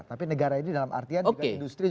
tapi negara ini dalam artian industri juga